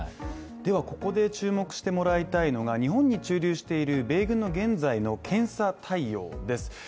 ではここで注目してもらいたいのが日本に駐留している米軍の現在の検査対応です。